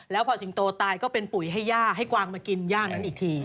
แล้วพอสิงโตตายก็เป็นปุ๋ยให้ย่าให้กวางมากินย่านั้นอีกที